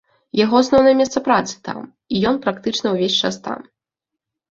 Яго асноўнае месца працы там, і ён практычна ўвесь час там.